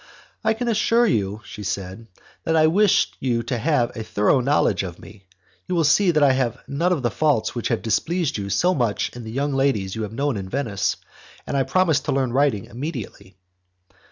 "I can assure you," she said, "that I wish you to have a thorough knowledge of me; you will see that I have none of the faults which have displeased you so much in the young ladies you have known in Venice, and I promise to learn writing immediately."